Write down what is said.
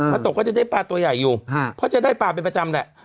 ตกก็จะได้ปลาตัวใหญ่อยู่เพราะจะได้ปลาเป็นประจำแหละ